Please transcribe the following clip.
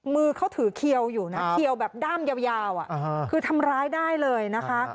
มือเขาถือเขียวอยู่นะเคียวแบบด้ามยาวคือทำร้ายได้เลยนะคะ